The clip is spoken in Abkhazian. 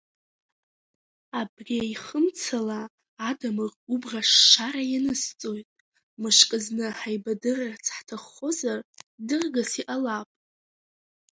Абри аихымцала адамыӷ убӷа ашшара ианысҵоит, мышкы зны ҳаибадырырц ҳҭаххозар дыргас иҟалап.